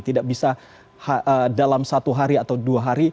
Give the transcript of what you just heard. tidak bisa dalam satu hari atau dua hari